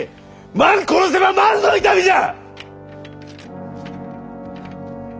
万殺せば万の痛みじゃ！